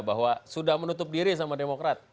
bahwa sudah menutup diri sama demokrat